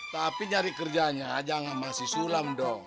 tapi nyari kerjanya aja sama si sulam dong